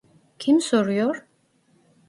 Kim soruyor?